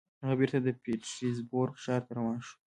هغه بېرته د پیټرزبورګ ښار ته روان شو